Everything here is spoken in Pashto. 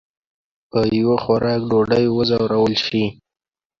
په یو خوراک ډوډۍ وځورول شي.